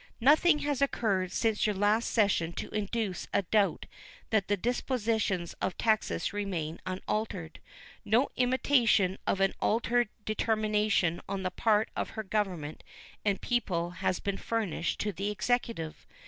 Nothing has occurred since your last session to induce a doubt that the dispositions of Texas remain unaltered. No intimation of an altered determination on the part of her Government and people has been furnished to the Executive.